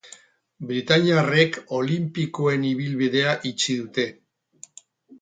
Britainiarrek olinpikoen ibilbidea itxi dute.